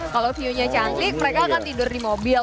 kalau view nya cantik mereka akan tidur di mobil